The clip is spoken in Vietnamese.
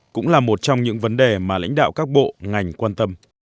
cũng là một trong những vấn đề mà lãnh đạo các bộ ngành quan tâm